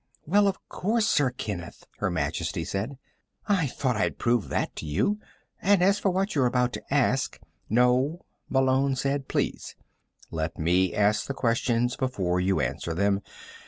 "Well, of course, Sir Kenneth," Her Majesty said. "I thought I'd proved that to you. And, as for what you're about to ask " "No," Malone said. "Please. Let me ask the questions before you answer them.